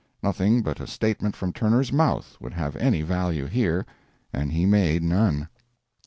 Nothing but a statement from Turner's mouth would have any value here, and he made none.